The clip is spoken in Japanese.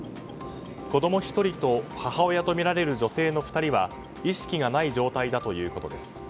子供１人と母親とみられる女性の２人は意識がない状態だということです。